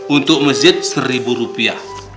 untuk masjid seribu rupiah